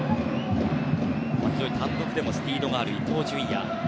単独でもスピードがある伊東純也。